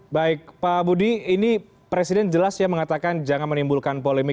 baik pak budi ini presiden jelas ya mengatakan jangan menimbulkan polemik